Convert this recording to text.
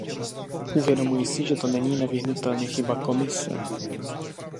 Uvědomuji si, že to není nevyhnutelně chyba Komise.